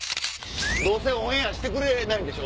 どうせオンエアしてくれないんでしょ？